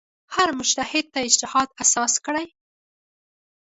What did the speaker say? هر مجتهد اجتهاد اساس کړی.